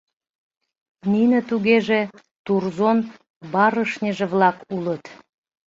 — Нине, тугеже, Турзон барышньыже-влак улыт?